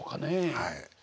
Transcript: はい。